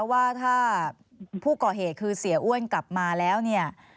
ว่าถ้าผู้ก่อเหตุคือเสียอ้วนกลับมาแล้วเนี่ย